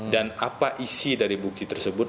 dan apa isi dari bukti tersebut